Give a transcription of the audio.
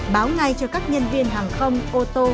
báo ngay cho các nhân viên hàng không ô tô